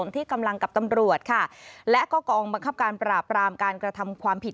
ที่กำลังกับตำรวจค่ะและก็กองบังคับการปราบรามการกระทำความผิด